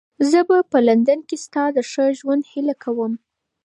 زه به په لندن کې ستا د ښه ژوند هیله کوم.